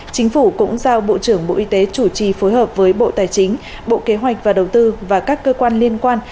chính phủ cũng giao bộ trưởng bộ y tế chủ trì phối hợp với bộ tài chính bộ kế hoạch và đầu tư và các cơ quan liên quan